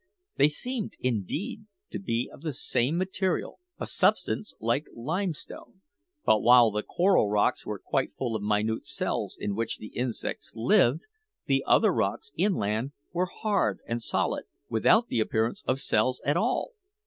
They seemed, indeed, to be of the same material a substance like limestone; but while the coral rocks were quite full of minute cells in which the insects lived, the other rocks inland were hard and solid, without the appearance of cells at all.